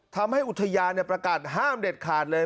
ทำให้อุทยานประกาศห้ามเด็ดขาดเลย